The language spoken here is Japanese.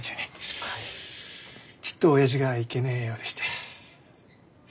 ちっと親父がいけねえようでして。